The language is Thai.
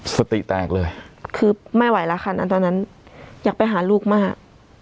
สติแตกเลยคือไม่ไหวแล้วค่ะนั้นตอนนั้นอยากไปหาลูกมาก